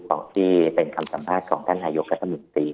ของที่เป็นคำสัมภาษณ์ของท่านหายุกษ์กัฎธรรมิตรี